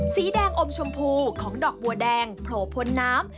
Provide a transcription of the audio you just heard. สีแดงอมชมพูของดอกบัวแดงโผล่พ้นน้ำ